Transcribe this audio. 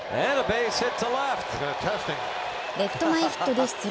レフト前ヒットで出塁。